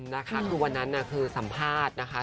นะคะคือวันนั้นคือสัมภาษณ์นะคะ